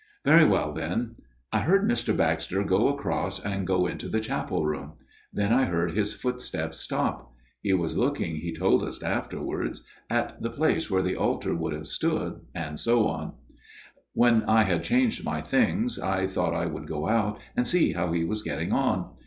" Very well, then. ... I heard Mr. Baxter go across and go into the chapel room. Then I heard his* footsteps stop ; he was looking, he 228 A MIRROR OF SHALOTT told us afterwards, at the place where the altar would have stood, and so on. " When I had changed my things I thought I would go out and see how he was getting on.